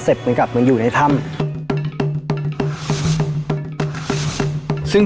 แถวนี้คือจะเป็นโซนพระอาทิตย์